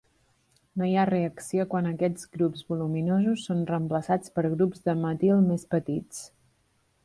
No hi ha reacció quan aquests grups voluminosos són reemplaçats per grups de metil més petits.